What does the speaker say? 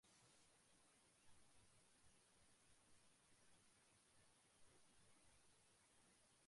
বর্তমানে এখানকার অর্থনৈতিক ও যোগাযোগ ব্যবস্থা সমৃদ্ধ ও সমুন্নত হয়েছে।